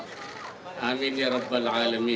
alhamdulillah rabbil alamin